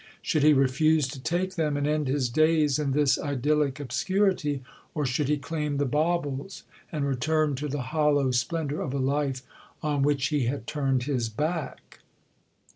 Should he refuse to take them, and end his days in this idyllic obscurity, or should he claim the "baubles," and return to the hollow splendour of a life on which he had turned his back?